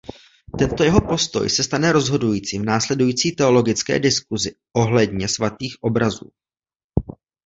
Tento jeho postoj se stane rozhodujícím v následující teologické diskuzi ohledně svatých obrazů.